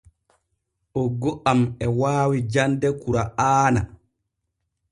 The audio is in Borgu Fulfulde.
Oggo am e waawi jande kura’aana.